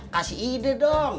kasih ide dong